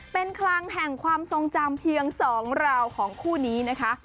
เป็นคลังแห่งความทรงจำเพียง๒ราวของคู่นี้นะคะ